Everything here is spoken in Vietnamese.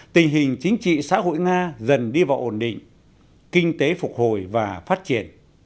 tình hình chính trị xã hội nga dần đi vào ổn định kinh tế phục hồi và phát triển